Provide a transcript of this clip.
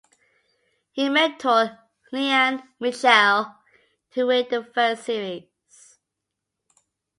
He mentored Leanne Mitchell to win the first series.